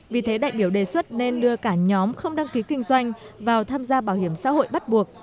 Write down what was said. vì thế đại biểu đề xuất nên đưa cả nhóm không đăng ký kinh doanh vào tham gia bảo hiểm xã hội bắt buộc